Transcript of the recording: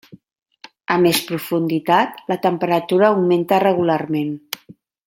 A més profunditat, la temperatura augmenta regularment.